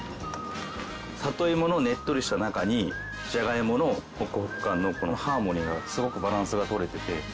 里いものねっとりした中にじゃがいものホクホク感のこのハーモニーがすごくバランスが取れてて。